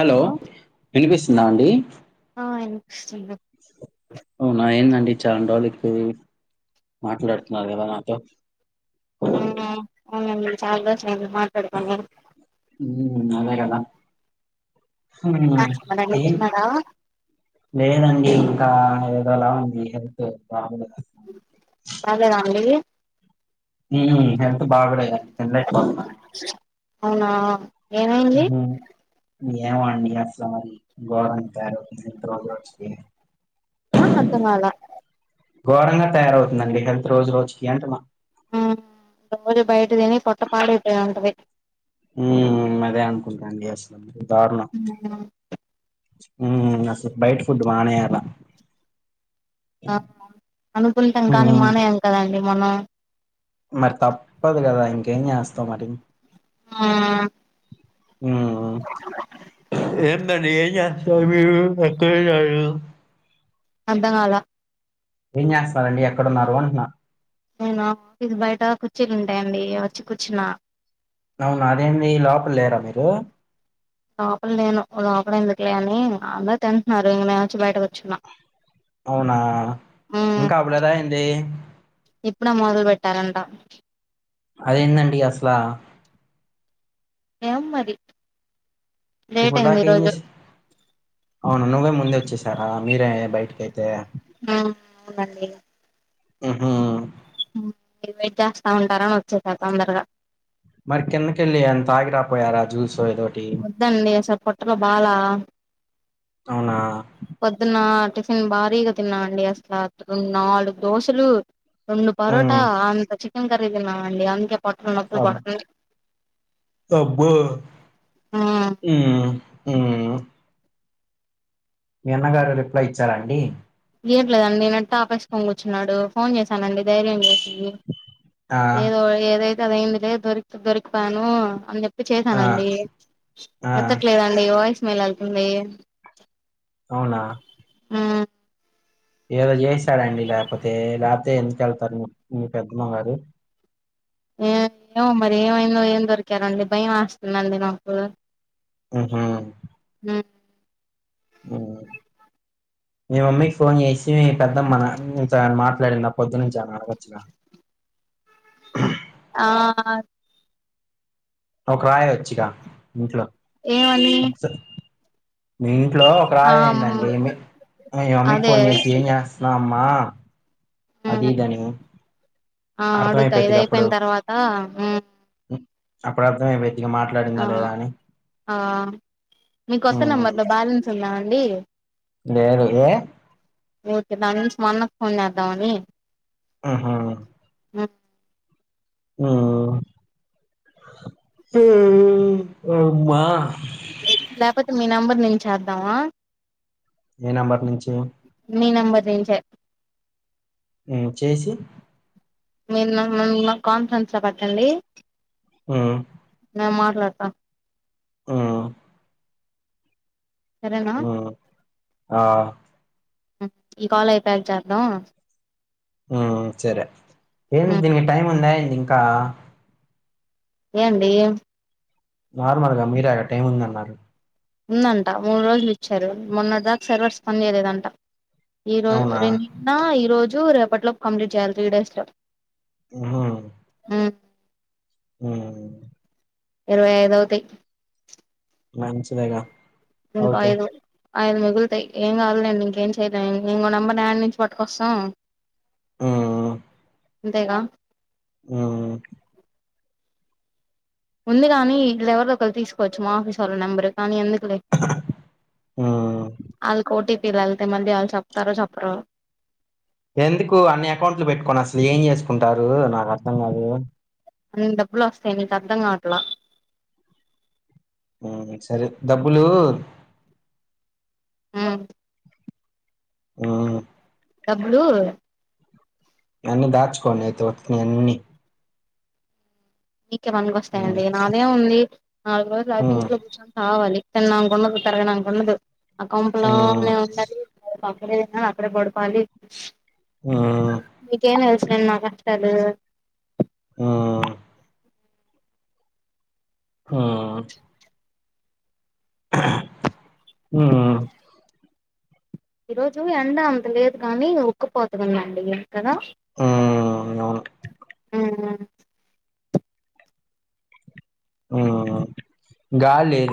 Hello వినిపిస్తుందాండి. ఆ వినిపిస్తుంది అవునా ఏందండి. చాన్ రోజుల్కి మాట్లాడుతున్నారు కదా నాతోటి మ్మ్. అవునండి. చాలా రోజులైంది మాట్లాడుకొని మ్ అదే గదా హ్మ్. మరండి ఏం తిన్నారా లేదండి ఇంకా ఇప్పుడు ఎలా ఉంది. హెల్త్ బాగుందిగా మ్. పర్లేదాండి. మ్మ్ హెల్త్ బాగొలేదని తినలేక పోతున్నా అవునా. ఏమైంది. ఏమోండి అసలు మరి ఘోరంగా తయారవుతుంది రోజు రోజుకీ ఆ అర్థం కాలా ఘోరంగా తయారవుతుందండి హెల్త్ రోజు రోజుకి అంటున్నా ఆ రోజు బయట తిని పొట్ట పాడైపోయుంటది. మ్మ్ అదే అనుకుంటాండి అసలు దారుణం. మ్ అసలు బైట ఫుడ్ మానేయాలా ఆ అనుకుంటాం కానీ మ్మ్ మానేయాం కదండి మనం. మరి తప్పదు కదా ఇంకేం చేస్తావ్ మరి ఆ హ్మ్. ఎం మరి ఏం చెస్తారు మీరు ఎక్కడున్నారు. అర్ధం కాలా ఏం చేస్తారండి. ఎక్కడున్నారు అంటున్న నేను ఆఫీస్ బయట కూర్చీలుంటాయండి వచ్చి కూర్చున్నా అవునా అదేంది లోపల లేరా మీరు లోపల నేను లోపలెందుకులే అని అందరూ తింట్న్నారు ఇంగ నేనొచ్చి బయట కూర్చున్నా అవునా ఇంకా అవలేదా ఏంది. ఇప్పుడే మొదలు పెట్టారంట. అదేందండి అసలా ఏ మ్మరి ఇప్పుడు దాక ఏం చేశారు. నువ్వే ముందొచ్చేసారా మీరే బయటికైతే ఆ అవునండి. మ్ హూ మీరు వెయిట్ చేస్తా ఉంటారని వచ్చేస తొందరగా మరి కిందకెళ్ళి ఏమైనా తాగిరాకపోయారా జ్యూస్ వద్దండి అసలు పొట్టలో బాలా అవునా పొద్దున్న టిఫిన్ భారీగా తిన్నా అండి అసలు అట్ నాలుగు దోశలు. రెండు పరోటా హ్మ్. అంత చికెన్ కర్రీ తినన్నామ అండి అందుకే పొట్టలో నొప్పులు అబ్ పడుతుంది [unintelligible] హుమ్ మీ అ న్నగారు రిప్లై ఇచ్చారండి చేయట్లేదుం నెట్ ఆ పేసి కూర్చున్నాడు ఫోన్ చేశానండి ధైర్యం చేసి ఆ! ఏదో ఏదైతే అదైందిలే దొరికి దొరికిపాను అని చె ఆ! చేశానండి ఆ! ఎత్తట్లేదండి వాయిస్ మెల్ వెళ్తుంది అవునా హు ఏదో చేసాడండి లేకపోతే లేకపోతే ఎందుకు వెళ్తారు మీ పెద్దమ్మ గారు ఏ ఏమో మరి ఏమైందో ఏం దొరికారండి భయం వే స్తుందండి నాకు హుమ్ హు ఆ మీ మమ్మీకి ఫోన్ చేసి పెద్దమ్మ మాట్లాడినా పొద్దు నుంచి అ వచ్చిన హుమ్ ఆ ఒక రాయ వచ్చిక ఇంట్లో ఏవని ఒకసా మీ ఇంట్లో ఒక రాయయండిండిమి నే మమ్మీకి అదే ఫోన్ చేసి ఏం చేస్తున్నావ్ అమ్మా అది ఇది అని ఆ అడుగుతా ఇది అయిపోయిన తర్వాత ఉమ్, అప్పుడు [unintelligible] ఇగా మాట్లాడిందా ఆ లేదా అని ఆ మీ కొత్త నెంబర్ లో బ్యాలెన్స్ ఉందా అండి లేేను ఏ ఓకే దాని నుంచి మా అన్నకు ఫోన్ చేద్దాం అని ఆహా హుమ్ [unintelligible] లేకపోతే మీ నెంబర్ నుంచి చేద్దామా ఏ నంబర్ నుంచి దీనికే ఊమ్ చేసి మీరు నన్ను కాన్ఫరెన్స్ లో పెట్టండి ఊ నేను మాట్లాడతాను ఊ సరేనా ఊ ఆ ఈ కాల్ అయిపోయాక చేద్దాం ఊ సరే ఏ దీనికి టైం ఉందా ఏంది ఇంకా ఏంది నార్మల్ గా మీరేగా టైముందన్నారు ఉందంట మూడు రోజులు ఇచ్చారు మొన్నటి దాకా సర్వర్స్ పని చేయలేదంట ఈ రోజ అవునా? రెం నిన్న ఈ రోజు రేపటిలో కంప్లీట్ చేయాలి త్రీ డేస్ లో ఊ ఊమ్ ఇరవై [unintelligible] మంచిదేగా ఇంకో అవుతే ఐదు ఐదు మిగులుతాయి ఏం కాదు లేండి ఇంకేం చేయలేం ఇంకో నెంబర్ ఎక్కడ నుంచి పట్టుకొస్తాం ఆ అంతేగా ఆ ఉంది గాని ఈల్లెవరో ఒకళ్ళు తీసుకోవచ్చు మా ఆఫీస్ వాళ్ళ నెంబరు కానీ ఎందు కులే హ్మ్. ఆల్లక్ ఓటీపీ వెళ్తే మళ్లీ ఆళ్ళు చెప్తారో చెప్పరో ఎందుకు అన్ని అకౌంట్లు పెట్టుకోని అసలు ఏం చేసుకుంటారు నాకు అర్థం కాదు అన్ని డబ్బులు వస్తాయి నీకు అర్ధం కావట్లా హూ సరే డబ్బులు ఊమ్ ఆ డబ్బులు అన్ని దాచుకొండి అయితే వచ్చినయాన్ని మీకే పనికి వస్తాయండి హ్మ్. నాదేం ఉంది నాలుగు రోజులు అయితే హ్మ్. ఇంట్లో కూర్చొని చావాలి తిండానికి ఉండదు తిరగడానికి ఉండదు ఆ హ్మ్. కొంపలోనే ఉండాలి [unintelligible] ఏదైనా అక్కడే పడుకోవాలి హ్మ్. మీకేం తెల్స్ నిన్న ఆహా తెలీదు ఆ హా హూమ్ ఈ రోజు ఎండ అంత లేదు కానీ ఉక్కుపోతగుందండి కదా ఆ అవును ఉహ్ ఊమ్ గాల్లేద్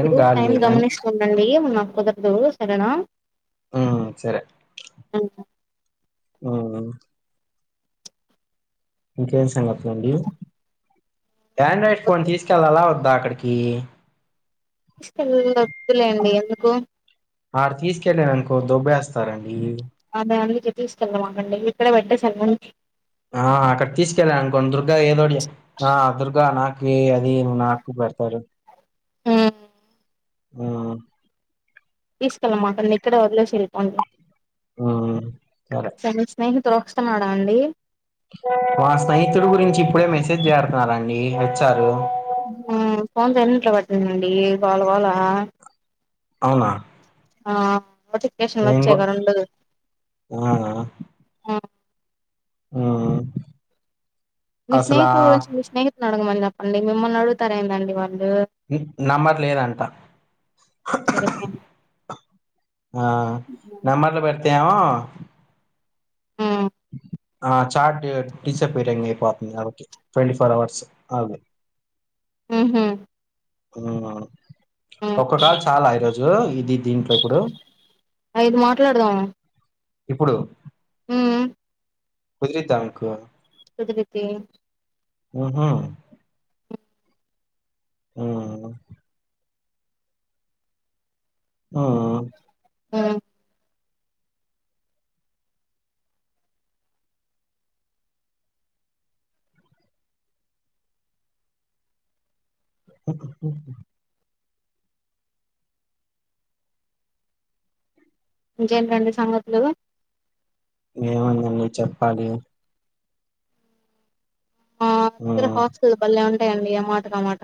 మీరు టైం గమనిస్తుండండి నాకు కుదరదు సరేనా ఆ సరే ఉహ్ ఇంకేం సంగతులు అండి ఆండ్రాయిడ్ ఫోన్ వద్దు తీసుకెళ్ళలా వద్దా అడికి తెస్కేళ్ల ఒద్దులేండి ఎందుకు ఆడ్ తీస్కెళ్ళననుకో దుబ్బేస్తారండి. అదే అందుకే తీసుకెళ్లమాకండి ఇక్కడె బెట్టెసెలం. ఆ అక్కడ తీసుకెళ్ళనుకో దుర్గా ఏదోడి ఆ దుర్గా నా. ఏ అది నాకు బెడతారు. ఊహ్మ్. తీసుకెళ్ళమాకండి ఇక్కడె వదిలేసెల్లిపొండి. ఆ సరే. తోక్స్తున్నాడా అండి. మా స్నేహితుడు గురించి ఇప్పుడే మెసేజ్ జేరత్నారండి వొచ్చారు. ఊమ్మ్ ఫోన్ సైలెంట్లో బెట్టండండి గోళ గోలా. అవునా. నోటిఫికేషన్లు ఏంగో వచ్చాయిగా రెండు ఆఆ. ఆ ఊమ్మ్. మీ స్నేహితు గురించి మీ స్నేహితులడగమని జెప్పండి మిమ్మల్నడుగుతారెందండి వాళ్ళు. ఊ నెంబర్ లేదంట. సరిపోయింది ఆ నంబర్లు బెడితేమొ. ఉమ్ ఆ చాట్ డిసప్పేరింగ్ అయిపోతుంది గాబట్టి ట్వంటీ ఫోర్ అవర్స్ అది. ఊహూ. ఆ ఒక్కటా చాలా ఈరోజు ఇది దీంట్లో ఇప్పుడు. ఐదు మాట్లాడ్దాం. ఇప్పుడు హుమ్ కుదిరిద్దామకు కుదిరితే ఆహా ఆహ్ ఆ ఆ ఇంకేంటండి సంగతులు ఏముందండి చెప్పాలి మా దగ్గర ఉమ్, హాస్టల్ బళ్లే ఉంటాయండిఏ మాట కామాట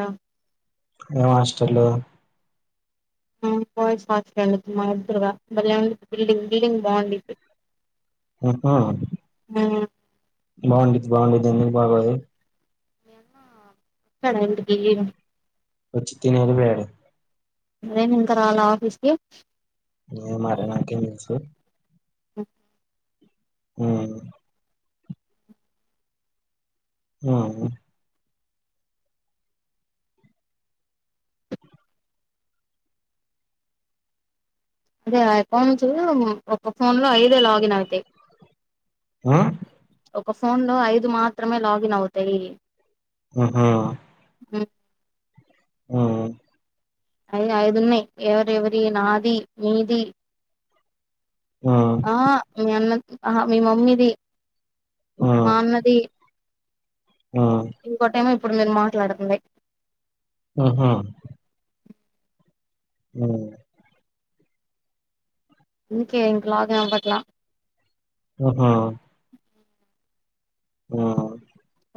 ఏ హాస్టలో బాయ్స్ వాచ్ మెన్ త మా ఎదురుగా బలే ఉంది బిల్డింగ్ బిల్డింగ్ బాగుందిప్పుడు ఆహా బాగుంది బాగుంది ఎందుకు బాలేదు [unintelligible] వచ్చి తిని ఎల్లినారు ఏమి ఇంకా రాలా ఆఫీస్ కి ఏమో మేడమ్ నాకేం తెలుసు హ్మ్ము హుమ్ హుమ్మ్ అదే ఆ అకౌంట్స్ ఒక ఫోన్ లో ఐదే లాగిన్ అవుతాయి ఆహ్ ఫోన్లో ఐదు మాత్రమే లాగిన్ అవుతాయి ఆహా హు ఆహ్ హలో ఐదున్నయి ఎవర ఎవరి నాది నీది ఉ ఆ మీ అన్న ఆ మీ మమ్మీది మా అన్నది ఉ ఇంకో టైమ ఇప్పుడు మీరు మాట్లాడుతుంది ఆహా అ ఇన్నికే ఇం కలాగంపట్లా ఆహా ఆ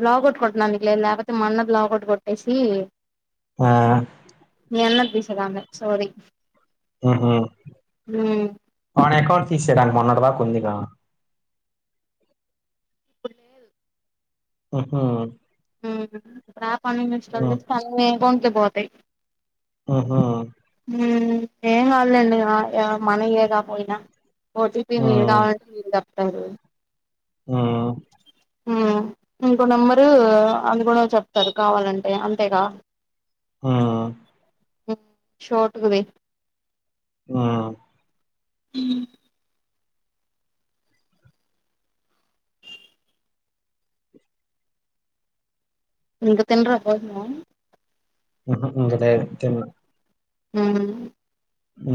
పోగొట్టకుంటునందుకు లేదు లేకపోతే మన్న లాగౌట్ కొట్టేసి ఆ ఎన్న తీసదాం సోరీ ఆహా ఆయన అకౌంట్ తీసేయడానికి మొన్నటి దా కుందిగా ఇప్పుడు లేేదు ఆహ ఉమ్ రేపట్నుంచి ఇస్టాలు చేస్తే అన్ని అకౌట్కి పోతాయి ఆహా హ్మ్మ్ ఏం కాదులో ఎందుకు మన ఏగా పోయినా ఓటీపీ ఉ మీరు కావాలంటే మీరు తప్పతారు ఆ హ్మ్మ్ ఇంకో నెంబరు అందుకనే చెప్తారు కావాలంటే అంతేగా ఆ షోట్కుది ఆ ఉ ఇంక తినరా భోజనం ఆహా ఇంకా తిన్ను హ అ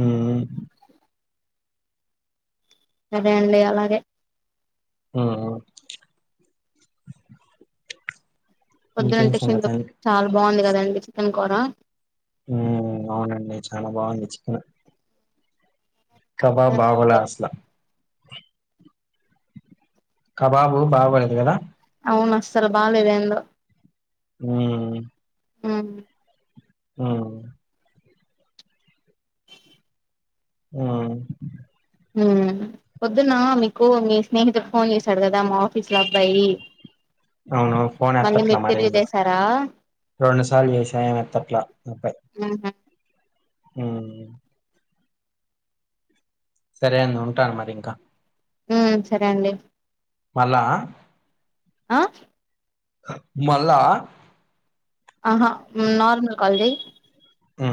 సరే అండి అలాగే ఆ పొద్దున టిఫ్న్ లో చాలా బాగుంది కదండి చికెన్ కూర అవునండి చాలా బాగుంది చికెన్ కబాబ్ బాగోలా అసలా కబాబు బాగోలేదు కదా అవును అస్సలు బాలేదు ఏందో హ ఆ హ ఆ పొద్దున్న మీకు మీ స్నేహితుడు ఫోన్ చేసాడు కదా మో బస్లో అబ్బాయి అవును మళ్ళీ మీరు తిరిగి చేసారా రెండుసార్లు చేసా ఏమ్ ఎత్తట్లా అబ్బాయ్ హ సరే అను ఉంటాను మరి ఇంకా ఉ సరే అండి మళ్ళ ఆ మళ్ళా ఆహా నర్మల్ కాల్ జెయ్యి ఆ